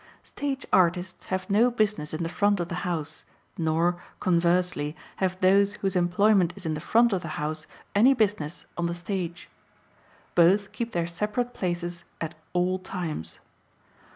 Stage artists have no business in the front of the house, nor, conversely, have those whose employment is in the front of the house any business on the stage. Both keep their separate places at all times.